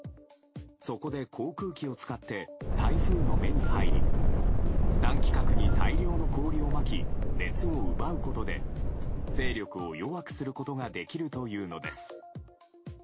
そこで航空機を使って台風の目に入り暖気核に大量の氷をまき熱を奪うことで勢力を弱くすることができるというのです。